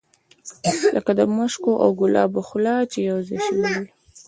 لکه د مشکو او ګلابو خوله چې یو ځای شوې وي.